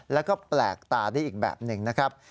แล้วก็แปลกตาได้อีกแบบหนึ่งนะครับ